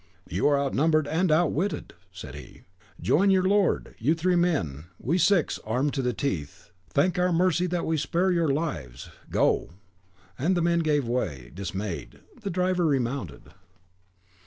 "You are outnumbered and outwitted," said he; "join your lord; you are three men, we six, armed to the teeth. Thank our mercy that we spare your lives. Go!" The men gave way, dismayed. The driver remounted.